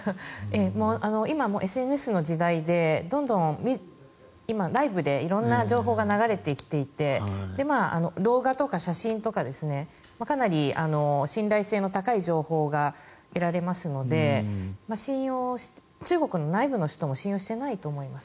今、ＳＮＳの時代でどんどん今ライブで色んな情報が流れてきていて動画とか写真とかかなり信頼性の高い情報が得られますので中国の内部の人も信用していないと思います